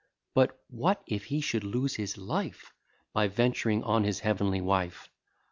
But what if he should lose his life By vent'ring on his heavenly wife!